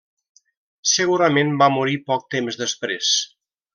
Segurament va morir poc temps després.